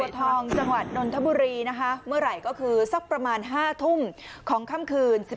ทองจังหวัดนนทบุรีนะคะเมื่อไหร่ก็คือสักประมาณ๕ทุ่มของค่ำคืน๑๑